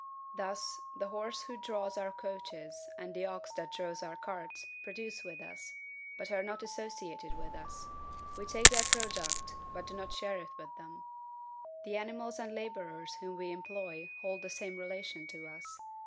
Thus, the horse who draws our coaches, and the ox who draws our carts produce with us, but are not associated with us; we take their product, but do not share it with them. The animals and laborers whom we employ hold the same relation to us.